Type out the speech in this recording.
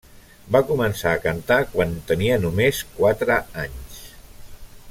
Va començar a cantar quan tenia només quatre anys.